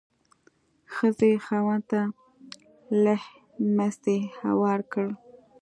ښځې یې خاوند ته لیهمڅی هوار کړ.